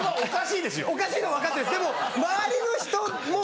おかしいのは分かってるんですでも周りの人も。